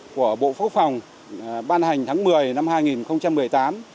của bộ quốc phòng ban hành tháng một mươi năm hai nghìn một mươi tám